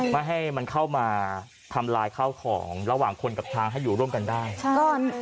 ไม่ให้มันเข้ามาทำลายข้าวของระหว่างคนกับทางให้อยู่ร่วมกันได้ใช่ก่อน